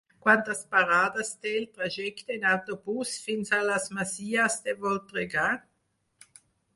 Quantes parades té el trajecte en autobús fins a les Masies de Voltregà?